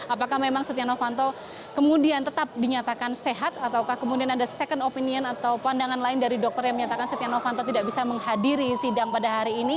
apakah memang setia novanto kemudian tetap dinyatakan sehat atau kemudian ada second opinion atau pandangan lain dari dokter yang menyatakan setia novanto tidak bisa menghadiri sidang pada hari ini